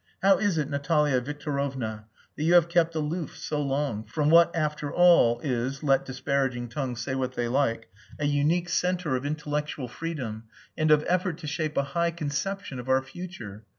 "How is it, Natalia Victorovna, that you have kept aloof so long, from what after all is let disparaging tongues say what they like a unique centre of intellectual freedom and of effort to shape a high conception of our future?